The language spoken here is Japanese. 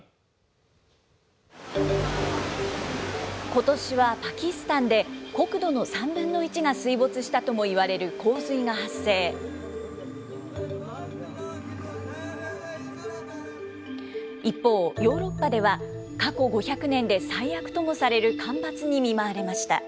ことしはパキスタンで、国土の３分の１が水没したともいわれる洪水が発生。一方、ヨーロッパでは、過去５００年で最悪ともされる干ばつに見舞われました。